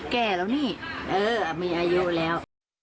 แก้แล้วนี่เออมีอายุแล้ว